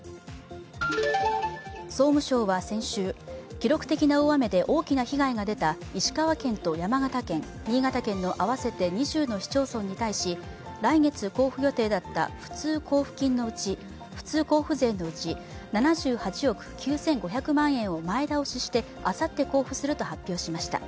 総務省は先週、記録的な大雨で大きな被害が出た石川県と山形県、新潟県の合わせて２０の市町村に対し来月交付予定だった、普通交付税のうち７８億９５００万円を前倒ししてあさって交付すると発表しました。